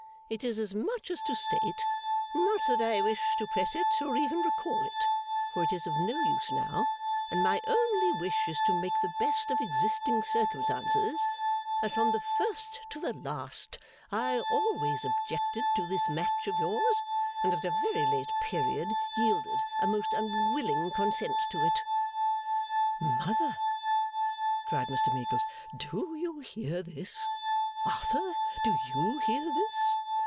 It is as much as to state not that I wish to press it or even recall it, for it is of no use now, and my only wish is to make the best of existing circumstances that from the first to the last I always objected to this match of yours, and at a very late period yielded a most unwilling consent to it.' 'Mother!' cried Mr Meagles. 'Do you hear this! Arthur! Do you hear this!